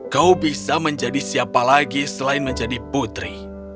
kau bisa menjadi siapa lagi selain menjadi putri